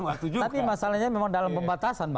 waktu juga tapi masalahnya memang dalam pembatasan